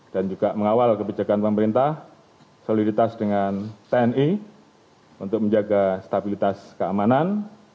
dan juga mengawal kebijakan pemerintah soliditas dengan tni untuk menjaga stabilitas keamanan